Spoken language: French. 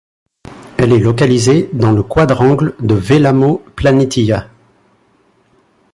Elle est localisée dans le quadrangle de Vellamo Planitia.